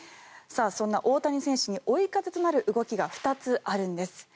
そんな大谷選手に追い風となる動きが２つあるんです。